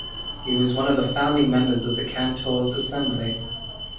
He was one of the founding members of the Cantor's Assembly.